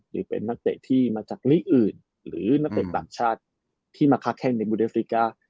หรือเป็นนักเตะที่มาจากลีกอื่นหรือนักเตะต่างชาติที่มาค้าแข้งในบูเดฟริกา